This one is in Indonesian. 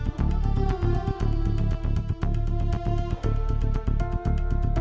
bu kondisi putrinya sekarang gimana ibu